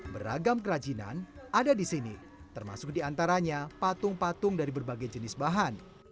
beragam kerajinan ada di sini termasuk diantaranya patung patung dari berbagai jenis bahan